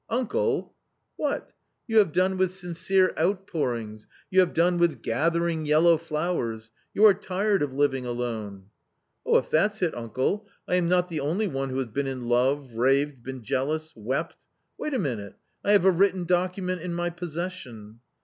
"Uncle!" "What? You have done with sincere outpourings, you have done with * gathering yellow flowers.' You are tired of living alone." " Oh, if that's it, uncle, I am not the only one who has been in love, raved, been jealous, wept. Wait a minute, I have a written document in my possession."